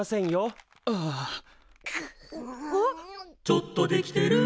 「ちょっとできてる」